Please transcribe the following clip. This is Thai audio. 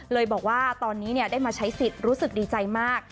เลยบอกว่าตอนนี้ได้มาใช้สิทธิ์รู้สึกดีใจมาก